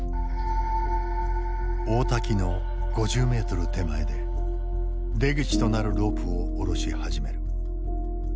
大滝の５０ｍ手前で出口となるロープを下ろし始める。